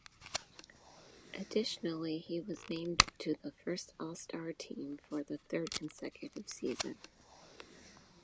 Additionally, he was named to the first All-Star team for the third consecutive season.